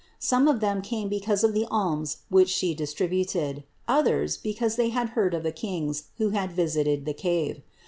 Some of them came because of the alms which She distributed, others, because they had heard of the Kings, who had visited the cave.